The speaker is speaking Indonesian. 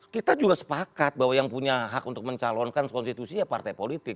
kita juga sepakat bahwa yang punya hak untuk mencalonkan konstitusi ya partai politik